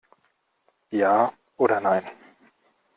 Ja oder nein?